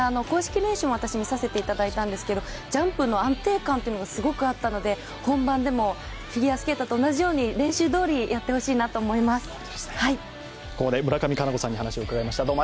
公式練習も私、見させていただいたんですけどジャンプの安定感がすごくあったので本番でもフィギュアスケートと同じように練習どおりやってほしいなと思います。